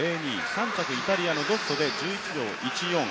３着、イタリアのドッソで１１秒１４。